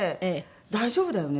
「大丈夫だよね？